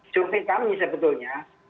jumlah kami sebetulnya